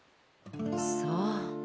そう。